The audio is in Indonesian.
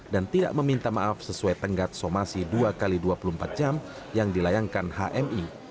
dan tidak meminta maaf sesuai tenggat somasi dua x dua puluh empat jam yang dilayangkan hmi